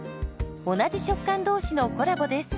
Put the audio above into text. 同じ食感同士のコラボです。